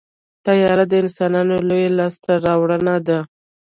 طیاره د انسانانو لویه لاسته راوړنه ده.